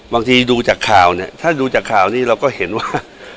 บางทีดูจากข่าวเนี่ยถ้าดูจากข่าวนี้เราก็เห็นว่า